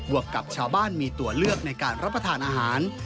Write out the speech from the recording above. วกกับชาวบ้านมีตัวเลือกในการรับประทานอาหาร